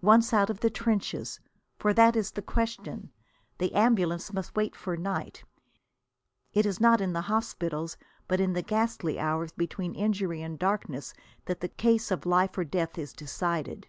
Once out of the trenches! For that is the question. The ambulances must wait for night. It is not in the hospitals but in the ghastly hours between injury and darkness that the case of life or death is decided.